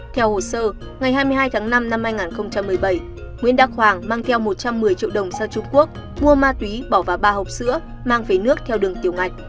theo hồ sơ ngày hai mươi hai tháng năm năm hai nghìn một mươi bảy nguyễn đắc hoàng mang theo một trăm một mươi triệu đồng sang trung quốc mua ma túy bỏ vào ba hộp sữa mang về nước theo đường tiểu ngạch